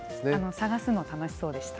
探すの楽しそうでした。